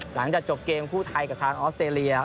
หลังจากจบเกมคู่ไทยกับทางออสเตรเลีย